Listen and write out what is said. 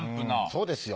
そうですよ